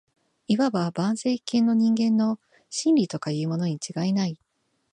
謂わば万世一系の人間の「真理」とかいうものに違いない